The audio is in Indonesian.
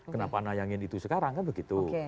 kenapa nayangin itu sekarang kan begitu